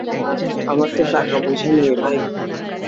আমার তো টাকা-পয়সা নেই, ভাই।